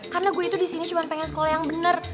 karena gue itu disini cuma pengen sekolah yang bener